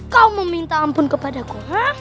kau meminta ampun kepada ku